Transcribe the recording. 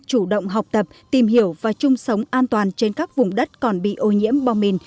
chủ động học tập tìm hiểu và chung sống an toàn trên các vùng đất còn bị ô nhiễm bom mìn